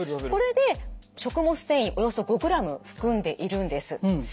これで食物繊維およそ５ｇ含んでいるんです。